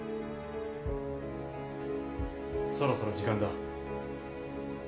そろそろ時間だ。